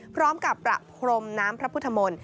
พร้อมกับประพรมน้ำพระพุทธมนตร์